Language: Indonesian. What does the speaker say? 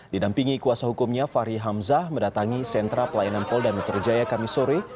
didampingi kuasa hukumnya fahri hamzah mendatangi sentra pelayanan pol dametro jaya kami sore